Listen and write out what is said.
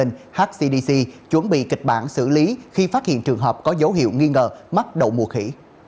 hcdc chuẩn bị kịch bản xử lý khi phát hiện trường hợp có dấu hiệu nghi ngờ mắc đậu mùa khỉ